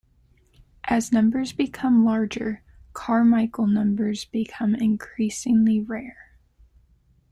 As numbers become larger, Carmichael numbers become increasingly rare.